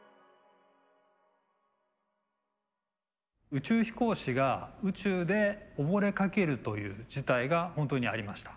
宇宙飛行士が宇宙で溺れかけるという事態が本当にありました。